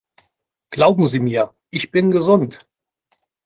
Glauben Sie mir, ich bin gesund!